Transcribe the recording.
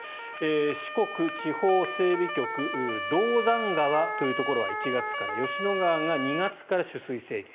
四国地方整備局銅山川というところは１月から吉野川が２月から取水制限。